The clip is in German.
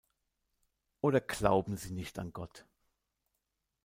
Oder glauben Sie nicht an Gott?